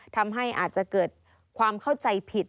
ทำให้อาจจะเกิดความเข้าใจผิด